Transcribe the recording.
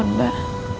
riang baik lah